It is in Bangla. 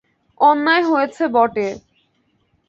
অন্যায় হয়েছে বটে।